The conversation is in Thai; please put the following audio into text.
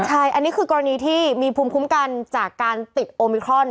ใช่อันนี้คือกรณีที่มีภูมิคุ้มกันจากการติดโอมิครอน